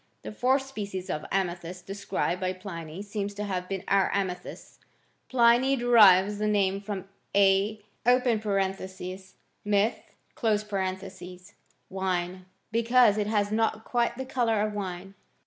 The fourth species of amethyst described by Pliny, seems to have been our amethyst. Pliny derives the name from « and (a) ^vOi| (mythe)y wine, because it has not quite the colour of wine.